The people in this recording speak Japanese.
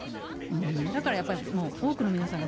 だからやっぱり、多くの皆さん